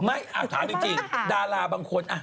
ถามจริงดาราบางคน